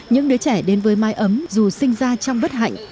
những đứa trẻ đến với mái ấm dù sinh ra trong bất hạnh